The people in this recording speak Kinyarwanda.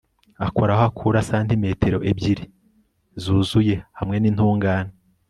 akora aho akura santimetero ebyiri zuzuye hamwe nintungane